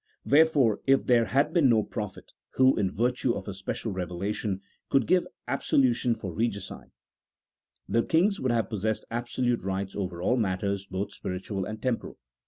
1 Wherefore if there had been no prophets who, in virtue of a special revelation, could give absolution for regicide, the kings would have possessed absolute rights over all matters both spiritual and temporal.